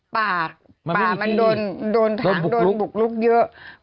ปากปากมันโดนทางโดนบุกลุกเยอะ